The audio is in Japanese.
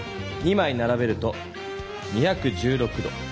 まいならべると２１６度。